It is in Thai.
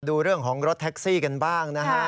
ดูเรื่องของรถแท็กซี่กันบ้างนะฮะ